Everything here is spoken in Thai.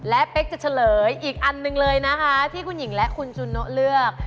และเป๊กจะเฉลยอีกอันหนึ่งเลยนะคะที่คุณหญิงและคุณจูโนเลือก